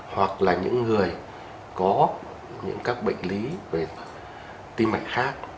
hoặc là những người có những các bệnh lý về tim mạch khác